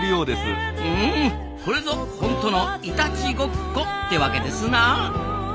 うんこれぞホントのイタチごっこってわけですな。